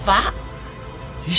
tidak ada boki